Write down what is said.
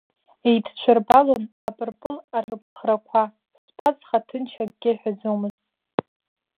Еидҽырбалон апырпыл арыԥхрақәа, сԥацха ҭынч акгьы аҳәаӡомызт.